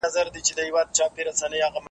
او پر ځان یې حرام کړي وه خوبونه .